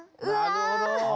なるほど。